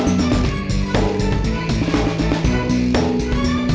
gua yakin lu pasti bisa bu